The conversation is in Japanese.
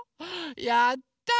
やった！